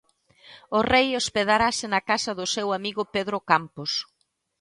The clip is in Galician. O rei hospedarase na casa do seu amigo Pedro Campos.